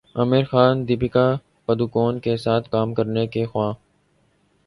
عامرخان دپیکا پڈوکون کے ساتھ کام کرنے کے خواہاں